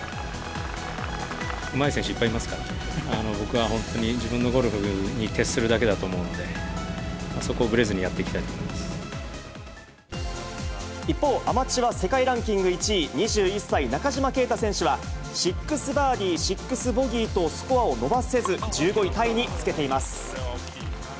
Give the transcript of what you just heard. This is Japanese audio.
うまい選手いっぱいいますから、僕は本当に自分のゴルフに徹するだけだと思うので、そこをぶれず一方、アマチュア世界ランキング１位、２１歳、中島啓太選手は、シックスバーディー、シックスボギーとスコアを伸ばせず、１５位タイにつけています。